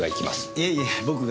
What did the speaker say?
いえいえ僕が。